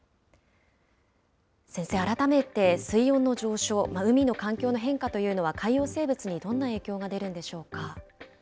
先生、改めて水温の上昇、海の環境の変化というのは、海洋生物にどんな影響が出るんでしょうか。